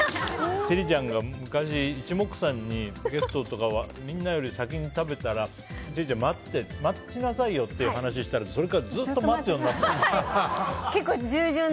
千里ちゃんが昔、一目散にゲストとかみんなより先に食べたら千里ちゃんに待ちなさいよって話をしたらそれからずっと待っちゃうようになって。